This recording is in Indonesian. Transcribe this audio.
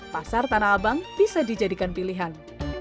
pasar tanah abang bisa dijadikan pilihan